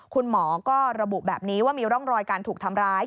คุณหมอก็ระบุแบบนี้ว่ามีร่องรอยการถูกทำร้าย